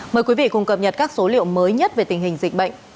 mời quý vị cùng cập nhật các số liệu mới nhất về tình hình dịch bệnh